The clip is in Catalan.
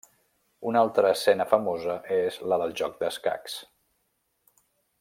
Una altra escena famosa és la del joc d'escacs.